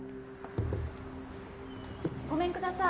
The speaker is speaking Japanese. ごめんください。